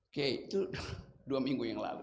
oke itu dua minggu yang lalu